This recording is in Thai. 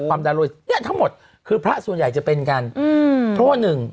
ความดันโรคนี้ทั้งหมดคือพระส่วนใหญ่จะเป็นกันพระ๑